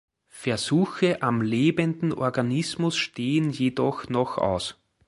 Versuche am lebenden Organismus stehen jedoch noch aus.